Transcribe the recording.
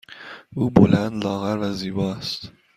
او بلند، لاغر و زیبا است.